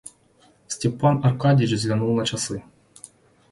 Степан Аркадьич взглянул на часы.